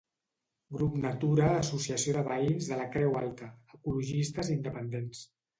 Grup Natura Associació de Veïns de la Creu Alta: ecologistes independents.